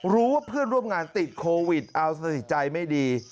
รู้ว่าเพื่อนร่วมงานติดโควิดเอาสิใจไม่ดี